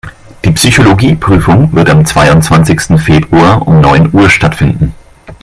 Die Psychologie-Prüfung wird am zweiundzwanzigsten Februar um neun Uhr stattfinden.